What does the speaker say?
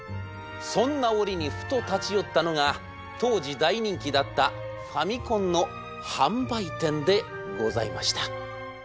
そんな折にふと立ち寄ったのが当時大人気だったファミコンの販売店でございました。